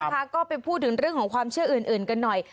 นะคะก็ไปพูดถึงเรื่องของความเชื่ออื่นกันหน่อย